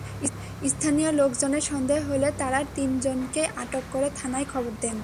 স্থানীয় লোকজনের সন্দেহ হলে তাঁরা তিনজনকেই আটক করে থানায় খবর দেন।